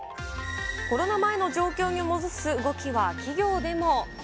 コロナ前の状況に戻す動きは企業でも。